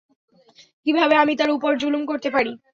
কিভাবে আমি তার উপর যুলুম করতে পারি?